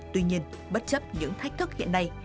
tuy nhiên bất chấp những thách thức hiện nay